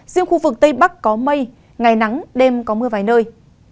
riêng khu vực tây bắc có mây ngày nắng đêm có mưa vài nơi